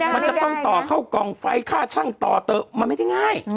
มันจะต้องต่อเข้ากล่องไฟค่าช่างต่อเถอะมันไม่ได้ง่าย